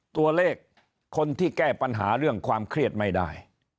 ตัวเลขคนที่แก้ปัญหาเรื่องความเครียดไม่ได้